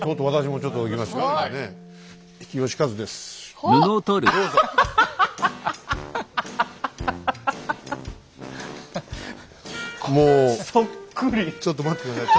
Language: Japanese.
ちょっと待って下さい。